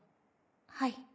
はい。